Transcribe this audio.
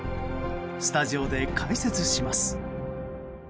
スタジオで解説します。